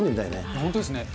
本当ですね。